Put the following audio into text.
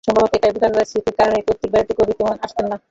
সম্ভবত একই বেদনাদায়ক স্মৃতির কারণেই পৈতৃক বাড়িতে কবি তেমন আসতেন না।